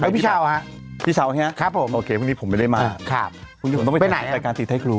พี่สาวครับครับผมพรุ่งนี้ผมไม่ได้มาครับพรุ่งนี้ผมต้องไปถ่ายการติดไทยครูอ่ะ